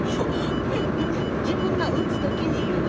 自分が打つ時に言うの。